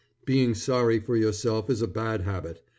Being sorry for yourself is a bad habit.